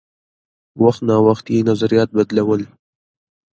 وخت نا وخت یې نظریات بدلول.